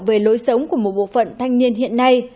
về lối sống của một bộ phận thanh niên hiện nay